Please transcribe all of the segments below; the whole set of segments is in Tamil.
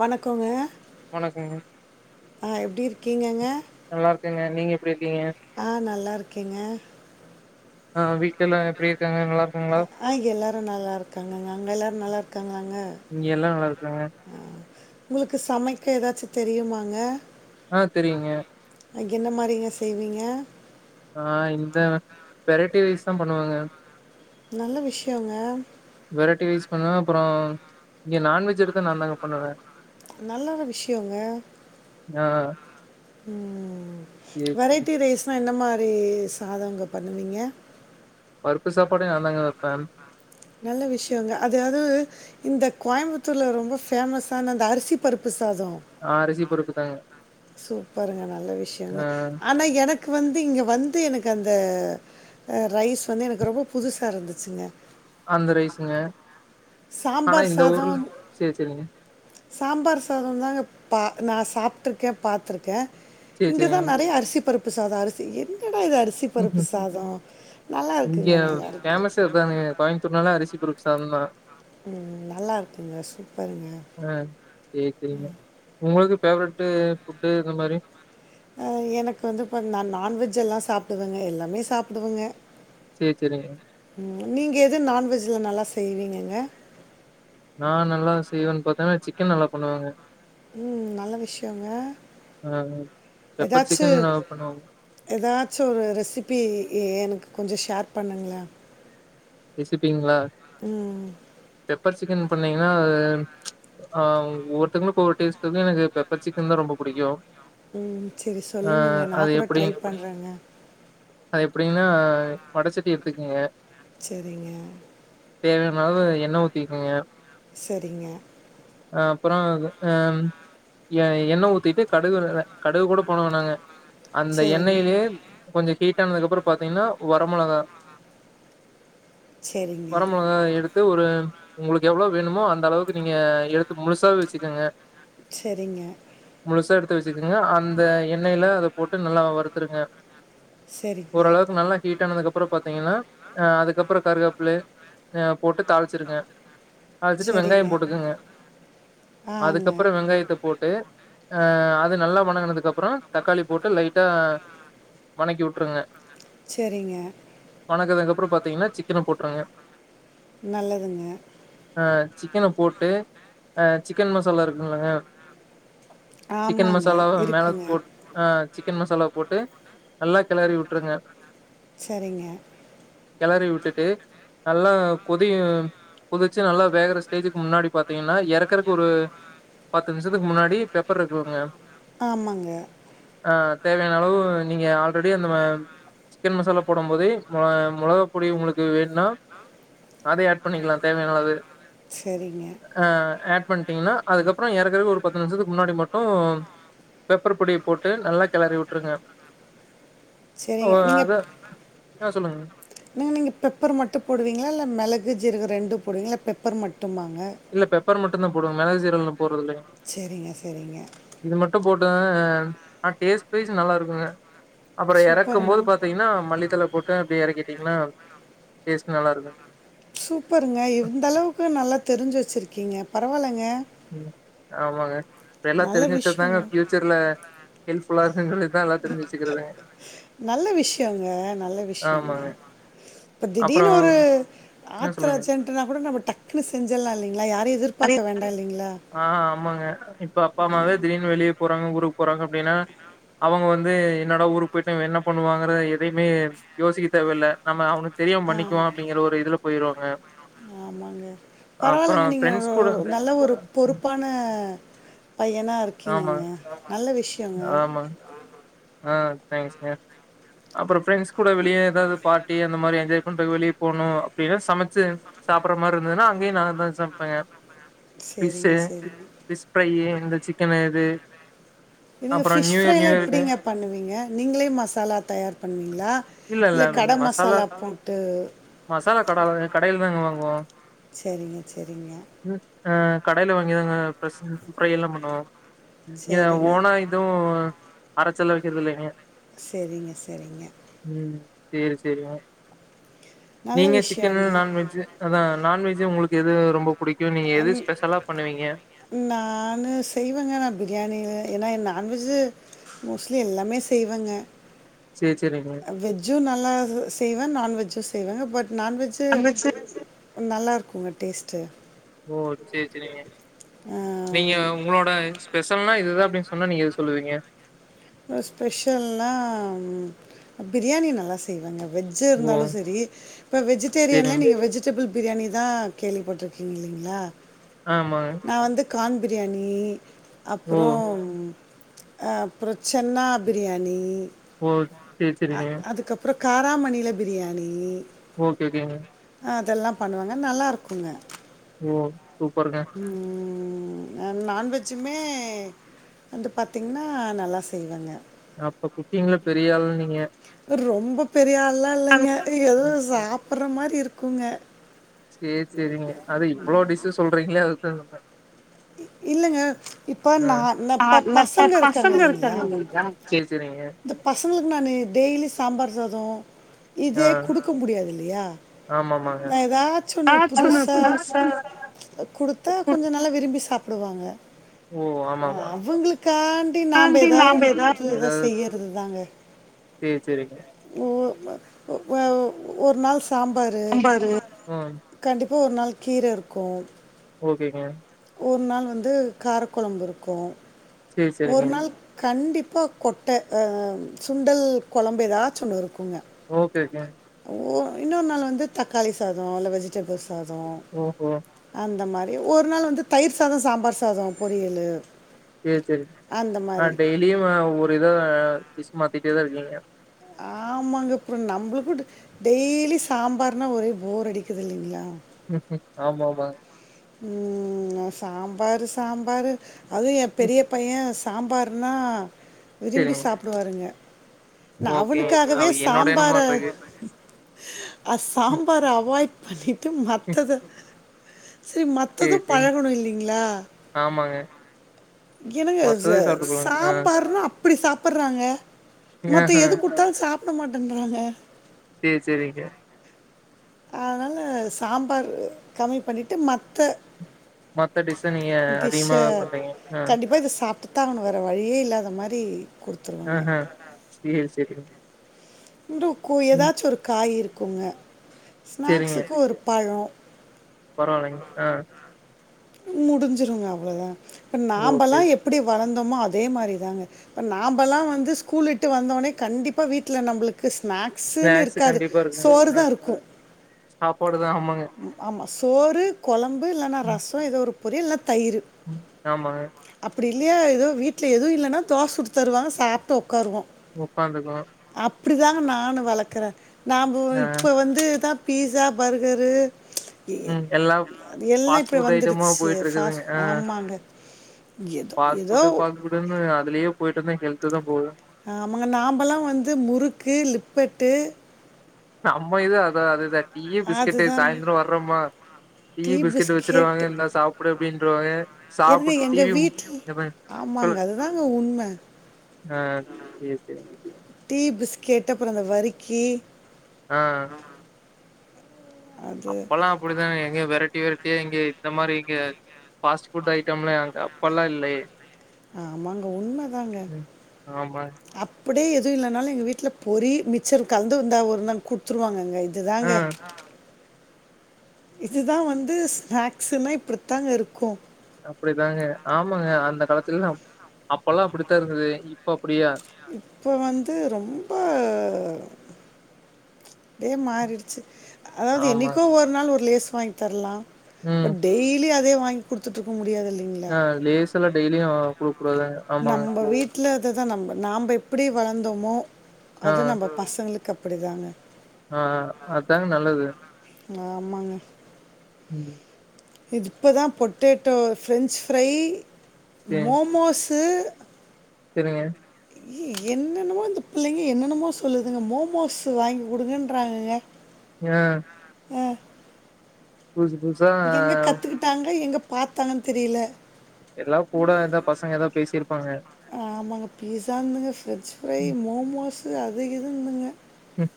வணக்கோங்க. வணக்கங்க. அ எப்டி இருக்கீங்கங்க. ங்க நீங்க எப்டி இரு ஆ நல்லா இருக்கேங்க. ஆ வீ அ எல்லாரு நல்லா இருக்காங்கங்க அங்க எல்லாரு நல்லா இருக்காங்களாங்க இங்க எல்லா நல்லா இருக்காங்க உங்களுக்கு சமைக்க ஏதாச்சு தெரியுமாங்க. ஆ தெரியுங்க. அ என்ன மாரிங்க செய்வீங்க. ஆ இந்த வெரைட்டி ரைஸ் தா பண்ணுவங்க. நல்ல விஷ்யோங்க. வெரைட்டி ரைஸ் பண்ணுவே அப்புறோ இங்க நான்வெஜ் எடுத்த நான் தாங்க பண்ணுவே நல்ல ஒரு விஷ்யோங்க. ஆஹ். உம். வெரைட்டி ரைஸ்லாம் என்னமா ம் சாதம்ங்க பண்ணுவீங்க கருப்பு சாப்பாடே வேண்டாங்கற வெப்ப நல்ல விஷயங்க அதாவது இந்த கோயம்புத்தூர்ல ரொம்ப ஃபேமஸ் ஆன அந்த அரிசி பருப்பு சாதம் ஆஹ் அரிசி பருப்பு தாங்க. சூப்பருங்க நல்ல விஷயங்க ஆ ஆனா எனக்கு இங்கு வந்து இங்கே வந்து எனக்கு அந்த ரைஸ் வந்து எனக்கு ரொம்ப புதுசா இருந்துச்சுங்க. அந்த ரைஸுங்க ஆனா சாம்பார் இந்த ஊர் சாதம் சரி சரிங்க சாம்பார் சாதங்க பா நான் சாப்பிட்டுருக்கேன் பார்த்திருக்கேன். சேரி இங்கதான் நிறைய அரிசி பருப்பு ப்பசாத அரிசி இது அரிசி பருப்பு ஹம்ம் சாதம்? நல்லா இங்க இருக்குங்க, நல்லா இருக்கு. ஃபேமஸே அதாங்க கோயம்புத்தூர் நாளே அரிசிபருக் சாதம் தான். உம் நல்லா இருக்குங்க சூப்பருங்க. ஆ சேரி சேரிங்க உங்களுக்கு ஃபேவரட்டு் ஃபுட்டு இந்த மாதிரி அஹ் எனக்கு வந்து இப்ப நான் நான் வெஜெல்லாம் சாப்பிட்டதுங்க எல்லாமே சாப்பிடுவேங்க சேரி சேரிங்க. நீங்கள் எதுவும் நான்வெஜ்ஜில் நல்லா செய்வீங்கங்க. நான் நல்லா செய்வேன் பாத்த ஆ சிக்கன் நல்லா பண்ணுவங்க ம் நல்ல விஷயங்க ஆ பெப்பர் ஏதாச்சி சிக்கன் நல்லா பண்ணுவேங்க ஏதாச்சி ஒரு ரெசிபி எனக்கு கொஞ்ச ஷேர் பண்ணுங்கள ரெசிபிங்ளா பெப்பர் சிக்கன் பண்ணீங்கனா ஆ ஒவ்வொருத்தவங்களுக்கு ஒவ்வொரு டேஸ்ட் இருக்கு ‌எனக்கு பெப்பர் சிக்கன்தா ரொம்ப புடிக்கு ம். சரி அ சொல்லுங்கங்க. அது நான் கூட எப்டி ட்ரை பண்றேங்க. அது எப்டின்னா வடச்சட்டி எடுத்துக்குங்க சேரிங்க தேவையான அளவு என்ன ஊத்திக்கிங்க சரிங்க அ அப்பறோ அ எ எண்ண ஊத்திட்டு கடுகு கடுகு கூட போனோ நாங்க அந்த சரிங்க. எண்ணெயிலே கொஞ்சோ ஹீட் ஹீட் ஆனதுக்கு அப்பறம் பாத்தீங்னா வரமொளகா சரிங்க. வரமொளகா எடுத்து ஒரு உங்களுக்கு எவ்வளவு வேணுமோ அந்த அளவுக்கு நீங்க எடுத்து முழுசாவே வச்சுக்கோங்க செரிங்க முழுசா எடுத்து வச்சுக்கங்க அந்த எண்ணெயில அத போட்டு நல்லா வறுத்துருங்க சரிங்க. ஓரளவுக்கு நல்லா ஹீட் ஆனதுக்குப்புறம் பாத் திங்னா அ அதுக்கப்புறம் கருகாப்பில போட்டு தாளிச்சிருங்க தாளிச்சிட்டு சரிங்க. வெங்காயம் போட்டுக்கங்க ஆங்க. அதுக்கப்புறம் வெங்காயத்த போட்டு அஹ் அது நல்லா வணங்கினதுக்கு அப்புறம் தக்காளி போட்டு லைட்டா வணக்கி வுட்டுருங்க சரிங்க வணக்குதங்கப் அப்புறம் பாத்தீங்கன்னா சிக்கன போட்ருங்க நல்லதுங்க. ஆஹ் சிக்கன போட்டு ஆ சிக்கன் மசாலா இருக்கும் இல்லங்க சிக்கன் ஆமாங்க. மசாலா மேல இருக்குங்க. போட் ஆ சிக்கன் மசாலா போட்டு நல்லா கிளரி வுட்ருங்க‌ சரிங்க கெளரி வுட்டுட்டு நல்லா கொதி கொதிச்சு நல்லா வேகற ஸ்டேஜ்க்கு முன்னாடி பாத்தீங்கன்னா இறக்குறக்கு ஒரு பத்து நிமிஷம் பத்து நிமிஷத்துக்கு முன்னாடி பெப்பர் இருக்குலங்க ஆமாங்க. ஆ தேவையான அளவு நீங்க ஆ [unintelligible] நம்ம சிக்கன் மசாலா போடும் போதே மொ மொளகாப்பொடி உங்களுக்கு வேணுனா அதையு ஆட் பண்ணிக்கலா தேவையான அளவு சரிங்க. ஆஹ ஆட் பண்ணிட்டீங்கன்னா அதுக்கப்புற இறக்கிறதுக்கு ஒரு பத்து நிமிஷத்துக்கு முன்னாடி மட்டு பெப்பர் பொடிய போட்டு நல்லா கிளறி விட்டுருங்க ஒ சரிங்க. அத சொல்லுங்க நீங்க இங்க பெப்பர் மட்டு போடுவீங்களா இல்ல மிளகு ஜீரகு ரெண்டு போடுவீங்களா இல்ல பெப்பர் மட்டு இல்ல பெப்பர் மட்டுதா போடுவ மிளகு சீரகலாம் போடறதுலைங்க சரிங்க சரிங்க இது மட்டு போட் ஆஹ் ஆன டேஸ்ட் வைஸ் நல்லா இருக்குங்க அப்புற இறக்கும் சூப்பருங்க போது பாத்தீங்கன்னா மல்லித்தல போட்டு அப்டி இறக்கி பாத்தீங்கன்னா டேஸ்ட் நல்லா இருக்கு சூப்பருங்க இந்த அளவுக்கு நல்லா தெரிஞ்சு வச்சிருக்கீங்க பரவால்லங்க உம் ஆமாங்க இப்ப எல்லா நல்ல தெரிஞ்சு வச்சாத்தாங்க விஷயங்க ஃபியூச்சர்ல ஹெல்ப்ஃபுல்லா இரு [unintelligible] நல்ல விஷயங்க நல்ல விஷயங்க ஆமாங்க இப்ப அப்புறோ திடீர்னு ஒரு என்ன ஆத்தறா சொல்லுங்க அர்ஜென்ட்னா கூட நம்ம டக்குன்னு செஞ்சலா இல்லைங்களா யாரையு எதிர்பார்க்க வேண்டா ஆஹ் ஆமாங்க இப்ப அப்பா அம்மாவே திடீருனு வெளிய போறாங்க ஊருக்கு போறாங்க அப்படின்னா அவங்க வந்து என்னடா ஊருக்கு போயிட்டு என்ன பண்ணுவாங்கறத எதையுமே யோசிக்க தேவையில்ல நம்ம அவனுக் தெரியு பண்ணிக்குவ அப்படிங்கற ஒரு இதுல போயிருவாங்க ஆமாங்க அப்புற ஃப்ரெண்ட்ஸ் கூட பான பையனா இருக்கீங்க நல்ல விஷ் ஆமாங் ஆஹ் தேங்க்ஸ்ங்க அப்புற ஃபிரெண்ட்ஸ் கூட வெளிய ஏதாவது பார்ட்டி அந்த மாரி என்ஜாய் பண்ணற வெளிய போணு அப்படின்ன சமைச்சு சாப்படுற மாரி இருந்துன்னா அங்கயே நான்தா சம் ங்க சரிங்க பிஷு சரி பிஷ் ஃப்ரையு இந்த சிக்கன் இது இங்க அப்புறோ பிஷ் நியூ இயர் ஃப்ரைல நியூ இயருக்கு எப்படிங்க ப பண்ணுவீங்க நீங்களே மசாலா தயார் பண்ணீங்களா இல்ல கட மசாலா போட்டு மசாலா கட கடையில தாங்க வாங்குவோ சேரிங்க சேரிங்க ஆஹ் கடையில வாங்கிதாங்கபிசஞ்சு பிரை எல்லாம் பண்ணுவோம் சரிங்க ஓனா இதுவும் அரை [unintelligible] சரிங்க சரிங்க உம் சரி சரி நல்ல நீங்க சிக்கன் விஷயங்க நான்வெஜ் அதா நான்வெஜ் உங்களுக்கு எதுல ரொம்ப புடிக்கு நீங்க எது ன் ஸ்பெஷலா பண்ணுவீங்க நானு செய்வேங்க நான் பிரியாணிய ஏன்னா என்ன நான்வெஜ்ஜு மோஸ்ட்லி எல்லாமே செய்வேங்க சேரி சேரிங்க வெஜ்ஜும் நல்லா செய்வேன் நான்வெஜ்ஜு செய்வே நான் வெஜ்ஜூ நல்லாயிருக்குங்க டேஸ்ட்டு ஓ சேரி சேரிங்க நீங்க உங்களோட ஸ்பெஷல்னா இதுதா அப்படின்னு சொன்னா நீங்க எத சொல்லுவீங்க ஸ்பெஷல்னா பிரியாணி நல்லா செய்வேங்க வெஜ்ஜ் ஓ இருந்தாலு சரி இப்ப வெஜிடேரியன்ல சேரிங்க நீ வெஜிடபிள் பிரியாணி தான் கேள்விப்பட்டுருக்கீங்க இல்லைங்ளா ஆமாங்க கான் பிரியாணி ஓ அப்புறம் ஆஹ் அப்புறம் சென்னா பிரியாணி ஓ சரி சரிங்க காராமணியில பிரியாணி ஓகே ஓகேங் இதெல்லாம் பண்ணுவங்க நல்லா இருக்குங்க ஓ சூப்பருங்க உம் நான்வெஜ்ஜுமே வந்து பாத்திங்கன்னா நல்லா செய்வங்க அப்ப குக்கிங்ல பெரிய ஆள் நீங்க ரொம்ப பெரிய ஆள்ல்லாம் இல்லங்க ஏதோ ம் சாப் ப்புடுற மாதிரி இருக்குங்க. சேரி செரிங்க அது இவ்வளோ டிஷ்ச சொல்றீங்களே [unintelligible] இல்லைங்க இப்ப ஆ நா ந்த ஆ ப இல்ல பசங்க இருக்காங்க இல்லலைங்களா இல்லைங்களா சேரி சேரிங்க இந்த பசங்களுக் நானு டெய்லி சாம்பார் சாத ஆ இதே குடுக்க முடியாது இல்லையா ஆமாமாங்க நா ஏதாச்சு ஒன்னு புதுசா குடுத்தா கொஞ்ச நல்லா விரும்பி சா சாப்புடுவாங்க ஓ ஆமாமா அவங்களுக்காண்டி நாம்ப தாண்டி ஏதா ஒண்ணு எதா புது இத எதாவது செய்யறதுதாங்க சேரி சேரிங்க ஓ ஒரு நாள் சாம்பாரு சாம்பாரு ம் கண்டிப் டியு ஒரு நாள் கீர இருக்கு ஓகேங்க ஒரு நாள் வந்து காரக்குழம்பு இருக்கு சேரி ஒரு சேரிங்க நாள் கண்டிப் அப்போ கொட்டை ஆ சுண்டல் கொழம்பு ஏதாச்சு ஒன்னு இருக்குங்க ஓகே கே ஓ இன்னொரு நாள் வந்து தக்காளி சாதம் அல்ல வெஜி டபுள் சாதம் ஓஹோ அந்த மாரி ஒரு நாள் வந்து தயிர் சாத சாம்பார் சாதம் பொரியலு சேரி சேரி ஆஹ் டெய்லியும் ஒரு இத டிஷ் மாத்திட்டேதான் இருக்கீங்க ஆமாங்க அப்புறம் நம்மக்கும் டெய்லி சாம்பார்னா ஒரே போர் அடிக்குது இல்லைங்களா ம் ம் ஆமா ஆமாங் ம் சாம்பாரு சாம்பாரு அது என் ம் பெரிய பையன் சாம்பார்னா விரும்பி சேரிங்க சாப்பிடுவாருங்க நா ஓகேங்க அவனுக்காகவே அவ என்னோட சாம்பார் என்னமோட்ருக்கு அ சாம்பார் அவாய்ட் [inaudible] ம் மத்தது சேரி சேரி மத்ததும் சேரி பழகணும் இல்லைங்களா ஆமாங்க என்னங்க மத்தது ச சாப்ட்டுக்குவாங்க ஆ சாம்பார்னா அப் அப்டி சாப்புறாங்க ஆஹ மத்த எது குடுத்தாலும் சாப்ப [unintelligible] மாட்டன்றறாங்க சேரி சேரிங்க அதனால சாம்பார் கம்மி பண்ணிட்டு மத்த மத்த டிஷ்ஷ நீங்க [unintelligible] டிஷ் அதிகமா அ பண்றீங்க ஆ கண்டிப்பா இத சாப்ட்டு தான் ஆகணும் வேற வழியே இல்லாத மாரி ஆ ஹா சேரி சேரி. [unintelligible] டுக்கு ஏதாச்சும் ஒரு காய் இருக்கு. குங்க. ஸ்நாக்ஸுக்கு ஒரு பழம். பரவாயில்ங்க ஹ. முடிஞ்சிருங்க அவ்வளோதான். இப்ப ஓகே நாமல்லாம் எப்படி வளர். வந்தோமோ அதே மாதிரி தாங்க இப்ப நாம்பல்லாம் வந்து ஸ்கூல்ட்டு வந்தோனே கண்டிப்பா வீட்ல நம்புளுக்கு. ஸ்நாக்ஸ்ன்னு ஸ்நாக்ஸ் இருக்காது கண்டிப்பா இருக்குங்க சோறு ஆ தான் இருக்கும் சாப்பாடுதா ஆமாங்க ஆமா. சோறு கொழம்பு. ம்பு இல்லனா ம் ரசம். [unintelligible] ம் ஆமாங்க. அப்படி இல்லையா ஏதோ வீட்ல எதுவும் இல்லைனா தோசுட்டு தருவாங்க சாப்ட்டோ. உக்காந்துக்களா. இப்படிதாங்க நானு வளக்குற. நாம்பு ஆ இப்ப வந்துதான். பீஸா பர்கரு ம்ச். ம் எல்லா இ எல்லாம் இப். ஃபாஸ்ட் ஃபுட் ஐட்டமா போயட்டு இருக்குதுங்க ஆ ஏதோ ஃபாஸ்ட் ஏதோ ஃபுட்டு ஃபாஸ்ட்ஃபுட்டுன்னு அதுலேயே போய்ட்டுருந்தேங்க. எனக்கு எதோ போரு. ஆமாங்க நாமல்லாம் வந்து முறுக்கு லிப்பெட். ட்டு. நம்ம இது அதான் அது இதா டீயி பிஸ்கட்டு் அதுதான் சாய்ந்தரம் வர்றோமா. டீ பிஸ்கெட் வச்சிருவாங்க இந்தா சாப்டு. அப்படின்றுவாங்க. என்னங்க எங்க வீட்டு ஆமாங்க சொல்லு அதுதாங்க உண்ம. ஆ சேரி சேரி டீ பிஸ்கெட்டு அப்புறந்த வரிக்கி. ஆ அது அப்பெல்லாம் அப்படித்தானுங்க எங்க வெரைட்டி வெரைட்டி. இங்க இந்த மாரி இங்க. ஃபாஸ்ட் ஃபுட் ஐட்டம்ல [unintelligible] இப்பல்லா இல்லையே ஆமாங்க உண்மை ம் ஆமாங்க அப்படியே எதுவும் இல்லனால எங்க வீட்ல பொறி மிச்சர் கலந்து இந்தா ஒருந் கொடுத்துருவாங்கங்க அதுதாங்க ஆ இதுதான் வந்து ஸ்நாக்ஸ்னா இப்படித்தாங்க இருக்கும் அப்படிதாங்க ஆமாங்க அந்த காலத்தில் எல்லாம் அப்பல்லாம் அப்படித்தான் இருந்தது இப்ப அப்டியா இப்ப வந்து ரொம்ப அப்படியே மாறிடுச்சு அதாவது ஆமா என்னைக்கோ ஒரு நாள் ஒரு லேஸ் வாங்கி தரலாம் ம் பட் டெய்லி அதே வாங்கி கொடுத்துக்கிட்டு இருக்க முடியாது இல்லைங்களா? ஆஹ் லேஸ் எல்லாம் டெய்லியு குடு நம்ம வீட்டுல இததா நம்ம நாம எப்டி வளந்து ந்தோமோ அது நம்ம பசங்களுக்கு கப்படிதாங்க ஆஹ் அதாங்க நல்லது ஆமாங்க உம் இதுப்பதா பொட்டேட்டோ பிரஃரெஞ்சு ஃப்ரை மோமோஸ் தூ செரிங்க என்னென்னமோ இந்த பிள்ளைங்க என்னென்னமோ சொல்லுதுங்க மோமோஸ் வாங்கி குடுங்கன்றாங்கங்க ஹ அஹ் புதுசு புதுசா பாத்தாங்கன்னு தெரியல எல்லா கூட ஏதா பசங்க ஏதா பேசியிருப்பாங்க ஆமாங்க பீசானதுங்க பிரெஞ்சு ஃப்ரை மோமோஸ் அது இதுன்னுதுங்க உம்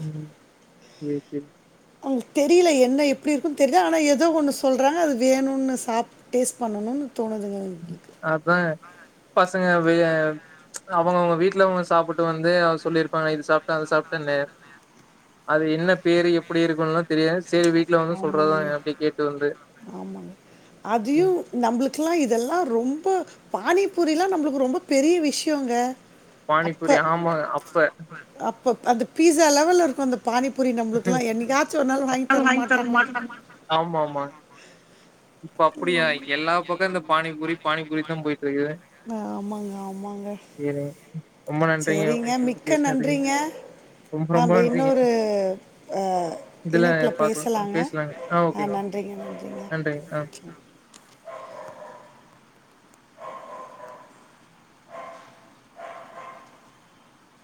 உம் [unintelligible] அவங்களுக்கு தெரியல என்ன எப்டி இருக்குன்னு தெரியலது ஆனா ஏதோ ஒன்னு சொல்கிறாங்க அது வேணும்ணு சாப்படு டேஸ்ட் பண்ணணும்னு தோணுதுங்க எங்களுக்கு அததாங்க பசங்க வே அவங்க அவங்க வீட்டுல அவங்க சாப்பிட்டு வந்து அவ சொல்லிருப்பாங்க இது சாப்பிட்ட அது சாப்பிட்டான்னு அது என்ன பேரு எப்டி இருக்கு தெரியது ஆமாங்க ஆமாங்க அதையு ம். நம்மளுக்குல்லா இத் இதெல்லா ரொம்ப பானிபூரில்லா நம்மளுக்கு ரொம்ப பெரிய விஷயங்க பானிபூரி அப்ப ஆமா அப்ப அப்ப அது பீஸாலெவல் இருக்கு அந்த பானிபூரி நம்மளுக்கு எல்லா என்னைக்காச்சு ஒரு நாள் வாங்கி தரமாட்ட [unintelligible] ஆமா ஆமா இப்ப அப்டியா எல்லா பக்கோ இந்த பானிபூரி பானிபூரி தா போயிட்டு இருக்குது ஆமாங்க ஆமாங்க சேரிங்க ரொம்ப நன்றிங்க செரிங்க மிக்க பேசுனதுக்கு நன்றிங்க ரொம்ப ரொம்ப நம்ப நன்றிங்க இன்னொரு ஆ இதுல இணைப்புல பாக்கலா பேசலாங்க ஆ ஓகேங்க நன்றிங்க நன்றிங்க